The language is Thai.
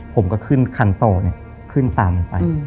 ผมก็ขึ้นคันต่อเนี่ยขึ้นตามมันไป